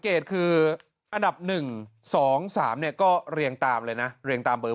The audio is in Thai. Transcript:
กายุ่ง